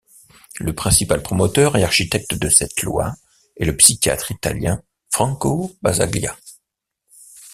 Le principal promoteur et architecte de cette loi est le psychiatre italien Franco Basaglia.